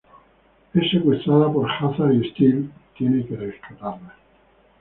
Es secuestrada por Hazard y Steel tiene que rescatarla.